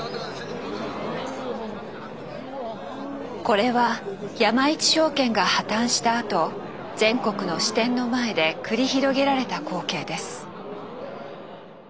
これは山一証券が破たんしたあと全国の支店の前で繰り広げられた光景です。